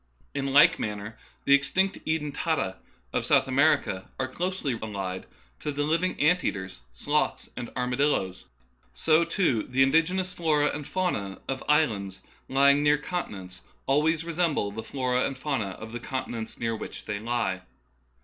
In like manner the extinct eden tata of South America are closely allied to the living ant eaters, sloths, and armadilloes. So, too, the indigenous floras and faunas of islands lying near continents always resemble the floras and faunas of the continents near which they lie.